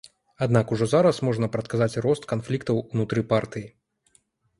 Аднак ужо зараз можна прадказаць рост канфліктаў унутры партыі.